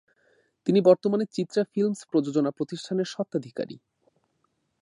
তিনি বর্তমানে চিত্রা ফিল্মস প্রযোজনা প্রতিষ্ঠানের স্বত্বাধিকারী।